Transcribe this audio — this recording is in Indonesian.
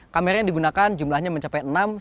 kamera yang digunakan jumlahnya mencapai sepuluh kamera